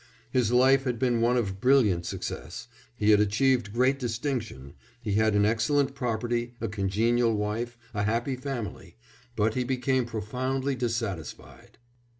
His life had been one of brilliant success; he had achieved great distinction, he had an excellent property, a congenial wife, a happy family, but he became profoundly dissatisfied.